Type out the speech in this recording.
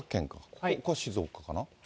ここが静岡かな？